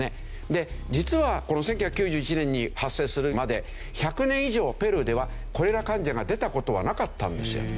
で実はこの１９９１年に発生するまで１００年以上ペルーではコレラ患者が出た事はなかったんですよ。